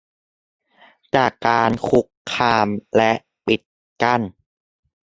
จากการคุกคามและปิดกั้น